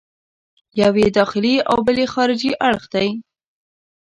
یو یې داخلي او بل یې خارجي اړخ دی.